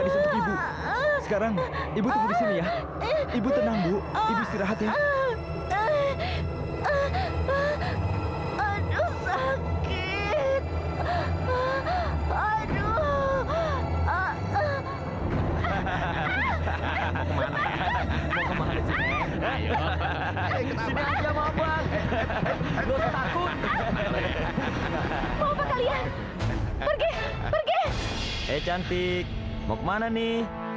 cewek murahan boleh mau jadi cewek panggilan juga boleh